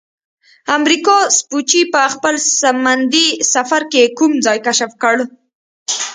امریکا سپوچي په خپل سمندي سفر کې کوم ځای کشف کړ؟